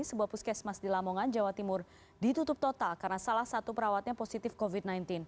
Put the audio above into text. sebuah puskesmas di lamongan jawa timur ditutup total karena salah satu perawatnya positif covid sembilan belas